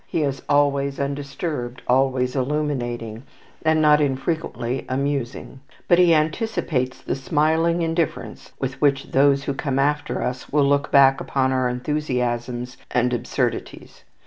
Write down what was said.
He is always undisturbed, always illuminating, and not infrequently amusing; but he anticipates the smiling indifference with which those who come after us will look back upon our enthusiasms and absurdities.